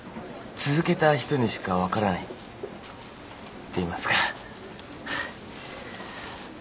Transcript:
続けた人にしか分からないっていいますか。